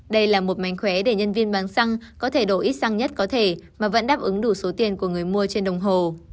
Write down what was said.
đây là một mánh khóe để nhân viên bán xăng có thể đổ ít sang nhất có thể mà vẫn đáp ứng đủ số tiền của người mua trên đồng hồ